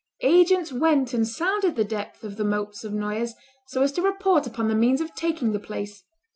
Agents went and sounded the depth of the moats of Noyers, so as to report upon the means of taking the place.